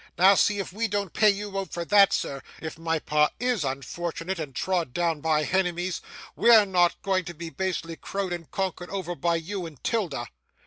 Now see if we don't pay you out for that, sir! If my pa IS unfortunate and trod down by henemies, we're not going to be basely crowed and conquered over by you and 'Tilda.